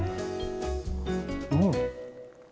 うん！